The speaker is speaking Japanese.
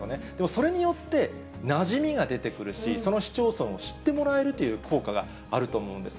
それによってなじみが出てくるし、その市町村を知ってもらえるという効果があると思うんです。